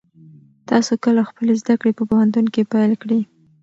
تاسو کله خپلې زده کړې په پوهنتون کې پیل کړې؟